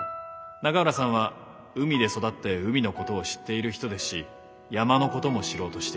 永浦さんは海で育って海のことを知っている人ですし山のことも知ろうとしている。